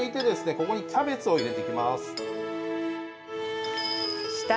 ここにキャベツを入れていきます。